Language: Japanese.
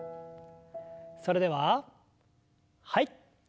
それでははい。